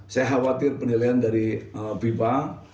saya khawatir penilaian dari viva